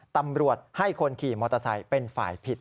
ตำรวจให้คนขี่มอเตอร์ไซค์เป็นฝ่ายผิด